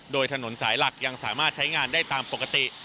โดยถนนสายหลักยังสามารถใช้งานได้ตามปกติ